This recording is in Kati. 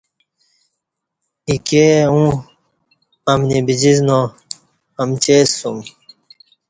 ایکے اوں امنی بزسنا امچے سُوم